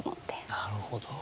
なるほど。